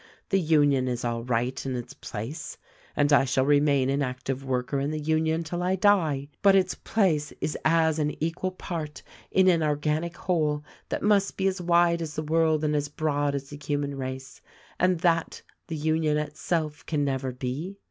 The Union is all right in its place (and I shall re main an active worker in the Union till I die), but its place is as an equal part in an organic whole that must be as wide as the world and as broad as the human race; and, that, the Union itself can never be.